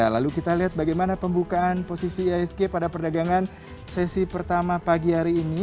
lalu kita lihat bagaimana pembukaan posisi iasg pada perdagangan sesi pertama pagi hari ini